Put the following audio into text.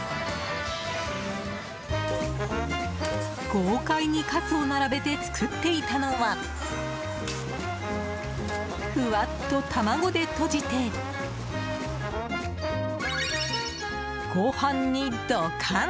豪快にカツを並べて作っていたのはふわっと卵で閉じてご飯にドカン！